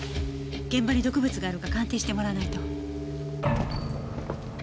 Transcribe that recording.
現場に毒物があるか鑑定してもらわないと。